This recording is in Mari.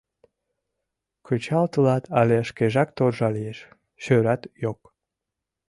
Кычалтылат але шкежак торжа лиеш — шӧрат йок.